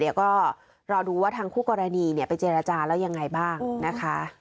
เดี๋ยวก็รอดูว่าทางคู่กรณีไปเจรจาแล้วยังไงบ้างนะคะ